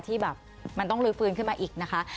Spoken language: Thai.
ที่แบบมันต้องลื้อฟื้นขึ้นมาอีกนะคะ